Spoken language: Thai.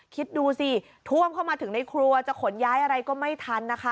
คิดดูสิท่วมเข้ามาถึงในครัวจะขนย้ายอะไรก็ไม่ทันนะคะ